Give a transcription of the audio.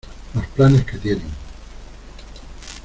los planes que tienen